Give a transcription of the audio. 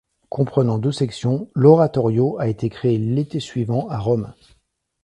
Comprenant deux sections, l'oratorio a été créé l'été suivant à Rome.